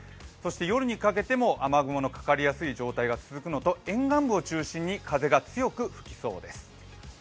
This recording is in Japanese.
夜にかけても雨雲のかかりやすい状態が続くのと沿岸部を中心に風が強く吹きそうです。